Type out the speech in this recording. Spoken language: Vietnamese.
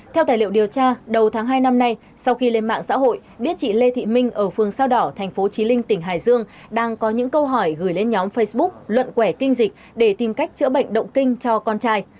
theo tài liệu điều tra đầu tháng hai năm nay sau khi lên mạng xã hội biết chị lê thị minh ở phương sao đỏ thành phố trí linh tỉnh hải dương đang có những câu hỏi gửi lên nhóm facebook luận quẻ kinh dịch để tìm cách chữa bệnh động kinh cho con trai